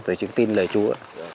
tôi chỉ tin lời chúa